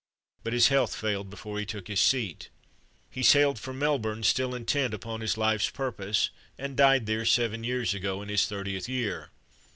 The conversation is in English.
But his health failed before he took his seat. He sailed for Melbourne, still intent upon his life's purpose, and died there seven years ago, in his thirtieth year.